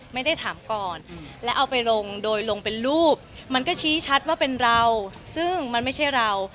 ไม่ได้ถามก่อนและเอาไปลงโดยลงเป็นรูปมันก็ชี้ชัดว่าเป็นเราซึ่งมันไม่ใช่เรา